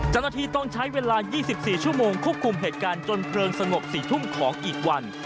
เจ้าหน้าที่ต้องใช้เวลา๒๔ชั่วโมงควบคุมเหตุการณ์จนเพลิงสงบ๔ทุ่มของอีกวัน